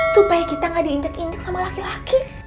supaya kita gak diinjak injak sama laki laki